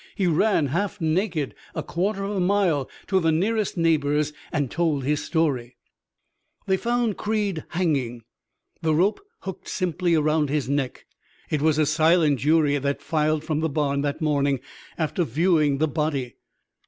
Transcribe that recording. He ran half naked a quarter of a mile to the nearest neighbor's and told his story." "They found Creed hanging, the rope hooked simply around his neck. It was a silent jury that filed from the barn that morning after viewing the body.